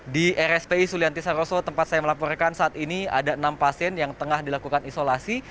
di rspi sulianti saroso tempat saya melaporkan saat ini ada enam pasien yang tengah dilakukan isolasi